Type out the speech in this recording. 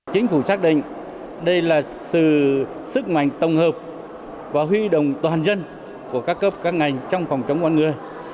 chính phủ xác định đây là sự sức mạnh tổng hợp và huy động toàn dân của các cấp các ngành trong phòng chống con người